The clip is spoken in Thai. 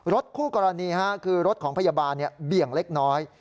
รถคู่กรณีฮะคือรถของพยาบาลเนี่ยเบี่ยงเล็กน้อย